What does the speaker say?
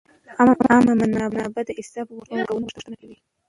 عامه منابع د حساب ورکونې غوښتنه کوي.